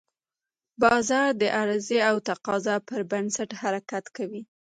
بازار د عرضې او تقاضا پر بنسټ حرکت کوي.